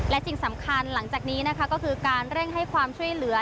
และสิ่งสำคัญหลังจากนี้นะคะก็คือการเร่งให้ความช่วยเหลือ